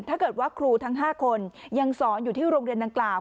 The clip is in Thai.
ถ้าเกิดว่าครูทั้ง๕คนยังสอนอยู่ที่โรงเรียนดังกล่าว